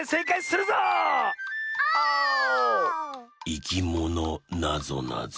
「いきものなぞなぞ」